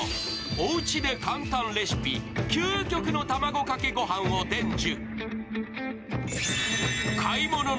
おうちで簡単レシピ究極のたまごかけご飯を伝授。